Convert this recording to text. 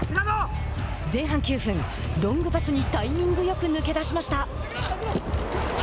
前半９分、ロングパスにタイミングよく抜け出しました。